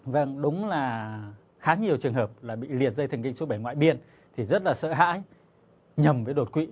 vâng đúng là khá nhiều trường hợp là bị liệt dây thành kinh số bảy ngoại biên thì rất là sợ hãi nhầm với đột quỵ